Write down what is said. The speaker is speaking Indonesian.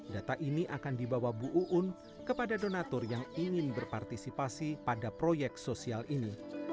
data ini akan dibawa bu uun kepada donatur yang ingin berpartisipasi pada proyek sosial ini